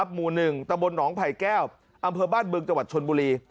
หมู่๑ตะบนหนองไผ่แก้วอำเภอบ้านบึงจังหวัดชนบุรี